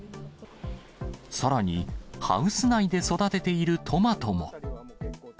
さらにハウス内で育てているトマトも。